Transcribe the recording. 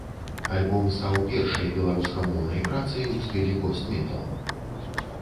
Альбом стаў першай беларускамоўнай працай у стылі пост-метал.